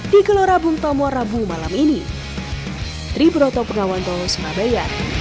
di gelora bung tomo rabu malam ini